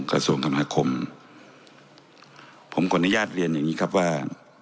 ส่วนของกระทรวงคมธรรมนาคมผมขนญาติเรียนอย่างนี้ครับว่า